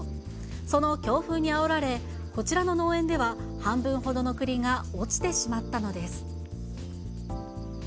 その強風にあおられ、こちらの農園では半分ほどの栗が落ちてしまったのです。